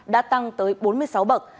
đã tăng tới bốn mươi sáu bậc